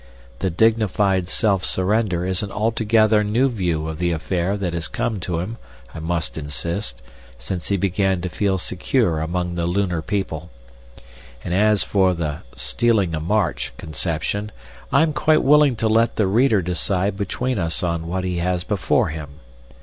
The dignified self surrender is an altogether new view of the affair that has come to him, I must insist, since he began to feel secure among the lunar people; and as for the "stealing a march" conception, I am quite willing to let the reader decide between us on what he has before him.